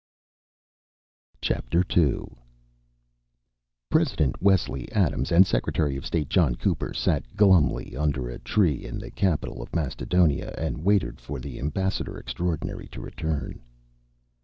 _ II President Wesley Adams and Secretary of State John Cooper sat glumly under a tree in the capital of Mastodonia and waited for the ambassador extraordinary to return.